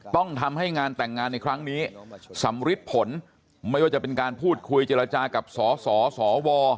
ต้องทำให้งานแต่งงานในครั้งนี้สำริดผลไม่ว่าจะเป็นการพูดคุยเจรจากับสสสว